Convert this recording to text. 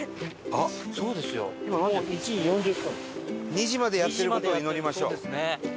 ２時までやってる事を祈りましょう。